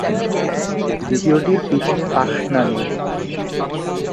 দ্বিতীয়টির পিঠে পাখনা নেই।